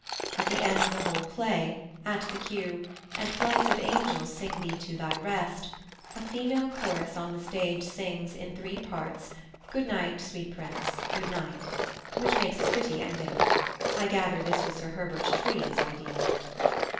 At the end of the whole play, at the cue "And flights of angels sing thee to thy rest," a female chorus on the stage sings, in three parts, "Good night, sweet Prince, good night," which makes a pretty ending. I gather this was Sir Herbert Tree's idea.